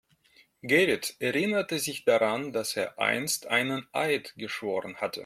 Gerrit erinnerte sich daran, dass er einst einen Eid geschworen hatte.